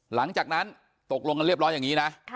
หลังจากนั้นตกลงกันเรียบร้อยอย่างนี้นะ